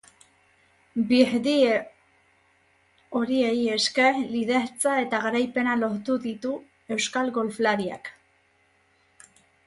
Birdie horiei esker lidertza eta garaipena lortu ditu euskal golflariak.